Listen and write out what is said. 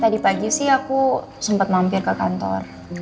tadi pagi sih aku sempat mampir ke kantor